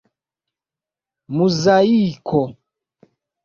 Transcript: muzaiko